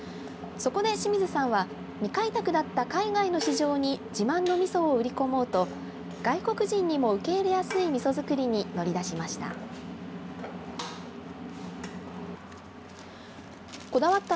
そこで清水さんは未開拓だった海外の市場に自慢のみそを売り込もうと外国人にも受け入れやすいみそ造りに乗り出しました。